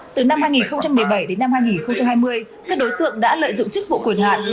từ năm hai nghìn một mươi bảy đến năm hai nghìn hai mươi các đối tượng đã lợi dụng chức vụ quyền hạn